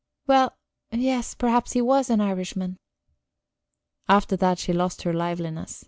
"Well, yes, perhaps he was an Irishman." After that she lost her liveliness.